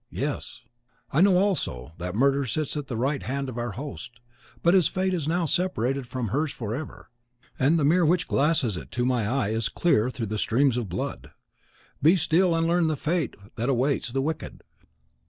yes. I know also that Murder sits at the right hand of our host. But his fate is now separated from hers forever; and the mirror which glasses it to my eye is clear through the streams of blood. Be still, and learn the fate that awaits the wicked!